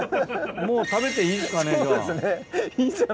もう食べていいですかねじゃあ。